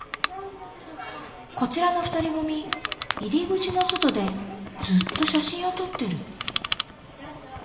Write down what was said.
こちらの２人組入り口の外でずっと写真を撮ってる。